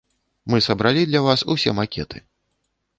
Мы сабралі для вас усе макеты.